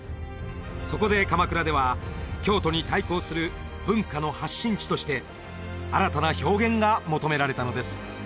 そこで鎌倉では京都に対抗する文化の発信地として新たな表現が求められたのです